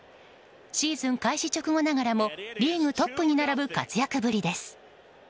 シーズン開始直後ながらもリーグトップに並ぶ活躍ぶりです。